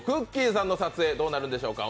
さんの撮影どうなるんでしょうか。